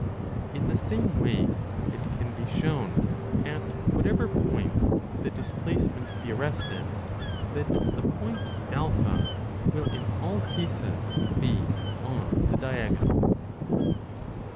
In the same way it can be shown, at whatever points the displacement be arrested, that the point A will in all cases be on the diagonal.